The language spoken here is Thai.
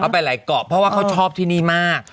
ไปหลายเกาะเพราะว่าเขาชอบที่นี่มาก